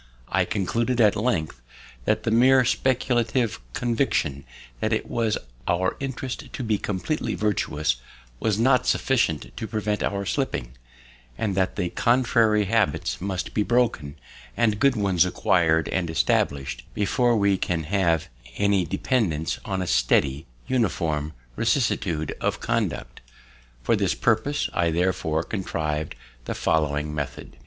I concluded, at length, that the mere speculative conviction that it was our interest to be completely virtuous, was not sufficient to prevent our slipping; and that the contrary habits must be broken, and good ones acquired and established, before we can have any dependence on a steady, uniform rectitude of conduct. For this purpose I therefore contrived the following method.